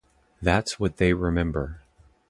That's what they remember.